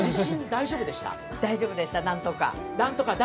大丈夫でした、何とか。